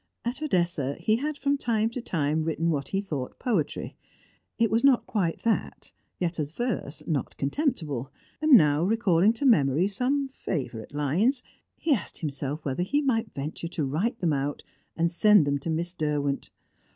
At Odessa he had from time to time written what he thought poetry (it was not quite that, yet as verse not contemptible), and now, recalling to memory some favourite lines, he asked himself whether he might venture to write them out and send them to Miss Derwent.